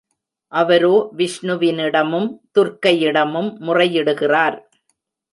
அவரோ விஷ்ணுவினிடமும், துர்க்கையிடமும் முறையிடுகிறார்.